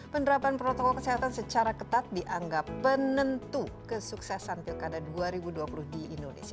penerapan protokol kesehatan secara ketat dianggap penentu kesuksesan pilkada dua ribu dua puluh di indonesia